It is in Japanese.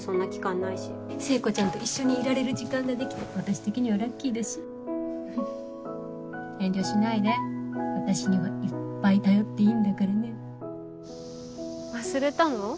ないし聖子ちゃんと一緒にいられる時間が出来て私的にはラッキーだし遠慮しないで私にはいっぱい頼っていいんだからね忘れたの？